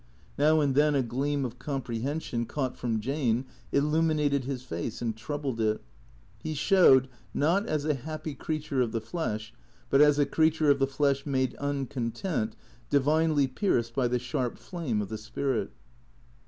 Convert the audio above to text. Now and then a gleam of comprehension, caught from Jane, illuminated his face and troubled it. He showed, not as a happy creature of the flesh, but as a creature of the flesh made uncontent, divinely pierced by the sharp flame of the spirit.